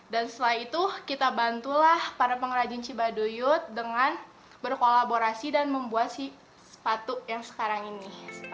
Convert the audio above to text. dan setelah itu kita bantulah para pengrajin cibaduyut dengan berkolaborasi dan membuat sepatu yang sekarang ini